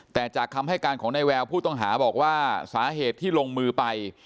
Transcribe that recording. แต่จากคำให้การของนายแววผู้ต้องหาบอกว่าสาเหตุที่ลงมือไป